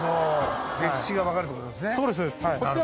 歴史が分かるってことですね。